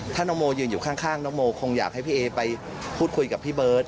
ถ้าน้องโมยืนอยู่ข้างน้องโมคงอยากให้พี่เอไปพูดคุยกับพี่เบิร์ต